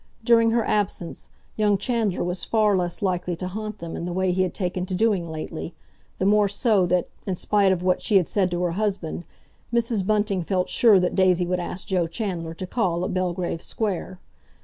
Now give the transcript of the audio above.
During her absence young Chandler was far less likely to haunt them in the way he had taken to doing lately, the more so that, in spite of what she had said to her husband, Mrs. Bunting felt sure that Daisy would ask Joe Chandler to call at Belgrave Square.